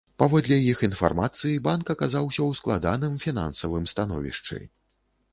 Паводле іх інфармацыі, банк аказаўся ў складаным фінансавым становішчы.